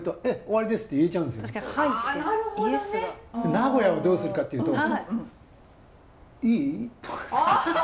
名古屋はどうするかっていうと「いい？」とかって。